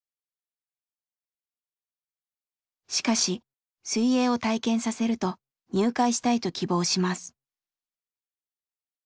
しかし水泳を体験させると入会したいと希望します。